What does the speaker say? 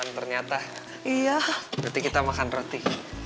ternyata iya berarti kita makan roti